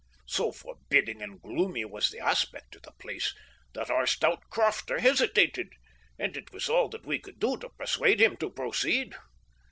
So forbidding and gloomy was the aspect of the place that our stout crofter hesitated, and it was all that we could do to persuade him to proceed.